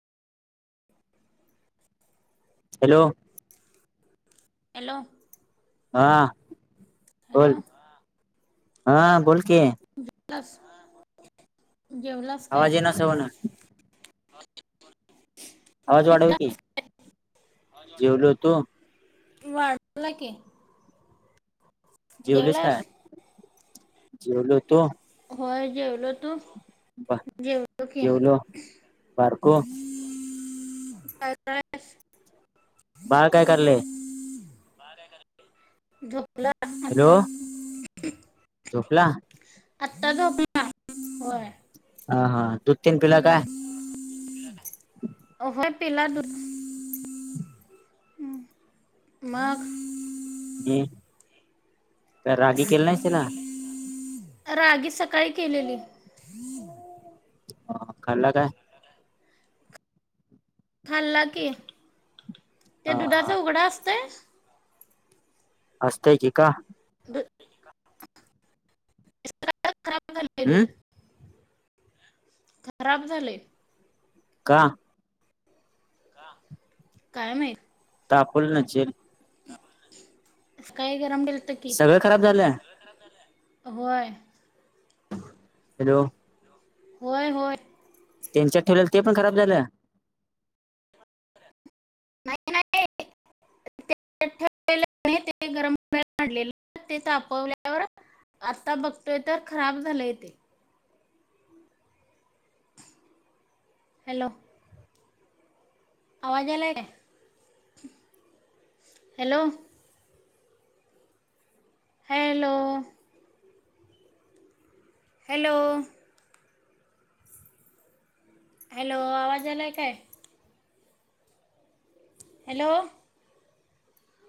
Hello hello हा hello बोल हा बोल की. लास आवाज येईना सवन. [unintelligible] आवाज वाढव जेवला- की. जेवलो तू. वाढवला की. जेवलीस काय जेवलास? जेवलो तू. होय जेवलो तू. ब जेवलो की जेवलो बारको. काय काय आकाश. बाळ काय करालंय? [unintelligible] आता. पला आता झोपला होय. हा दुध तेन पिला काय? हम्म. पिला दूध. हम्म, मग. हम. रागी केली नाहीस तिला? रागी सकाळी केलेली. खाल्ला काय? खाल्ला की. ते हा हा दुधाचा उघड असतंय. असतय की का? [unintelligible] हम्म [unintelligible] खराब झालय. का? काय माहीत. तपवली नसचील. काय गरम केलं की सगळं खराब झालं. होय. हॅलो. होय होय. त्यांच्यात ठेलेल ते पण खराब झालं. नाही नाही, ठेवले ते गरम पाले ते तचापवल्यावर आता बघतोय तर खराब झालंय ते. हॅलो. आवाज यायलाय काय? हॅलो. हॅलो. हॅलो. हॅलो आवाज यायलाय काय? हॅलो.